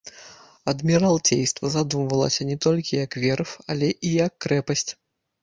Адміралцейства задумвалася не толькі як верф, але і як крэпасць.